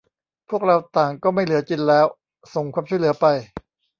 พวกเราต่างก็ไม่เหลือจินแล้ว : ส่งความช่วยเหลือไป !